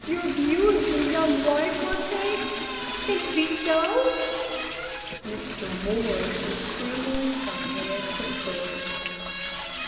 Your beautiful young wife, Montague. Can it be so?" Mr. Morris was trembling from head to foot.